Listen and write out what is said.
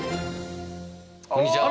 こんにちは。